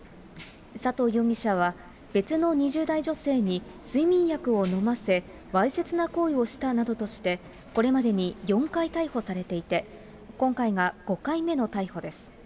佐藤容疑者は、別の２０代女性に睡眠薬を飲ませ、わいせつな行為をしたなどとして、これまでに４回逮捕されていて、今回が５回目の逮捕です。